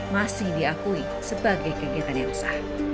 masih diakui sebagai kegiatan yang sah